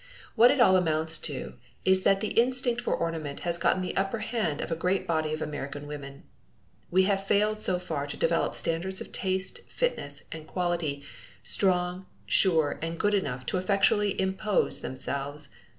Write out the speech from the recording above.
What it all amounts to is that the instinct for ornament has gotten the upper hand of a great body of American women. We have failed so far to develop standards of taste, fitness, and quality, strong, sure, and good enough effectually to impose themselves.